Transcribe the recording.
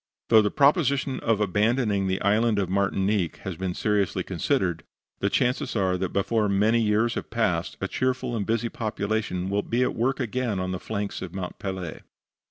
Though the proposition of abandoning the Island of Martinique has been seriously considered, the chances are that, before many years have passed, a cheerful and busy population will be at work again on the flanks of Mont Pelee.